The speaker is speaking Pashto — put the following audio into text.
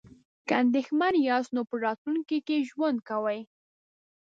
که اندیښمن یاست نو په راتلونکي کې ژوند کوئ.